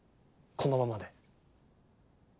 このままで。